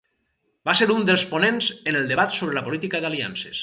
Va ser un dels ponents en el debat sobre la política d'aliances.